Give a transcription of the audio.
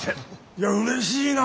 いやうれしいな。